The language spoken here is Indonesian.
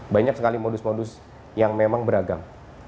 banyak sekali modus modus yang memang beragam